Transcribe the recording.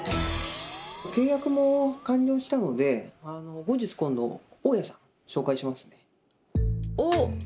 契約も完了したので後日今度大家さん紹介しますね。